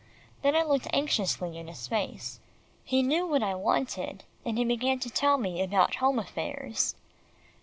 Then I looked anxiously in his face. He knew what I wanted, and he began to tell me about home affairs.